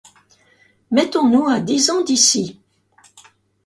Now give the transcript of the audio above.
Mettons-nous à dix ans d’ici.